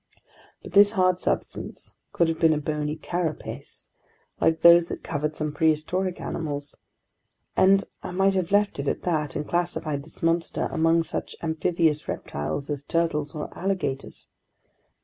But this hard substance could have been a bony carapace, like those that covered some prehistoric animals, and I might have left it at that and classified this monster among such amphibious reptiles as turtles or alligators.